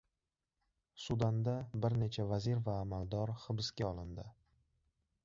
Sudanda bir necha vazir va amaldor hibsga olindi